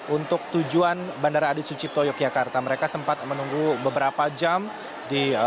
untuk tujuan bandara adi sucipto yogyakarta mereka sempat menunggu beberapa jam di